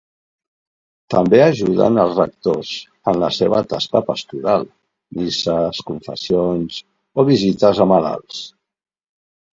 També ajuden els rectors en la seva tasca pastoral: misses, confessions o visites a malalts.